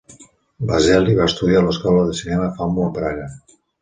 Bazelli va estudiar a l'Escola de Cinema Famu a Praga.